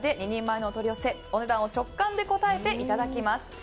２人前のお取り寄せお値段を直感で答えていただきます。